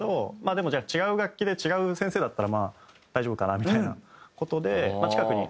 でもじゃあ違う楽器で違う先生だったらまあ大丈夫かなみたいな事で。